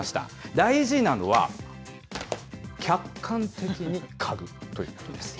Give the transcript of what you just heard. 大事なのは、客観的に嗅ぐということです。